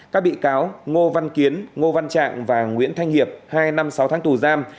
các bị cáo ngô văn kiến ngô văn trạng và nguyễn thanh hiệp hai năm sáu tháng tù giam